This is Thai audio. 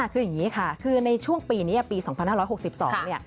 คืออย่างนี้ค่ะคือในช่วงปีนี้ปี๒๕๖๒เนี่ย